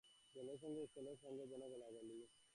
জলের সঙ্গে স্থলের সঙ্গে যেন গলাগলি।